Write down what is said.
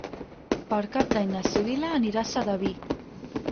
Per Cap d'Any na Sibil·la anirà a Sedaví.